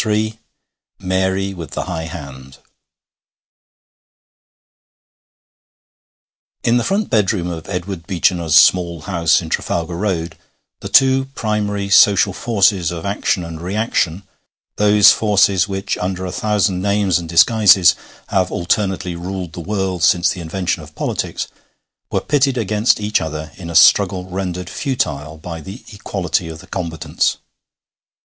MARY WITH THE HIGH HAND In the front bedroom of Edward Beechinor's small house in Trafalgar Road the two primary social forces of action and reaction those forces which under a thousand names and disguises have alternately ruled the world since the invention of politics were pitted against each other in a struggle rendered futile by the equality of the combatants.